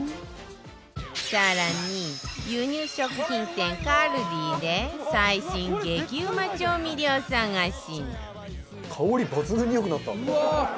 更に輸入食品店 ＫＡＬＤＩ で最新激うま調味料探し